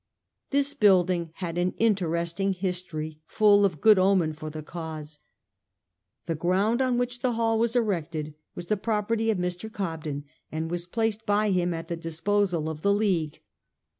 This building had an interesting his tory full of good omen for the cause. The ground on which the hall was erected was the property of Mr. Cobden, and was placed by him at the disposal of the League.